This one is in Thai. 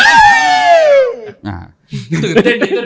ไม่ใช่หรอ